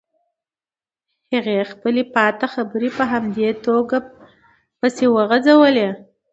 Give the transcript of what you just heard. هغې خپلې پاتې خبرې په همدې توګه پسې وغزولې.